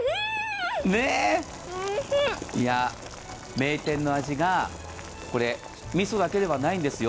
名店の味が、みそだけではないんですよ。